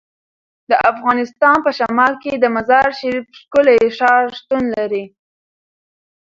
د افغانستان په شمال کې د مزارشریف ښکلی ښار شتون لري.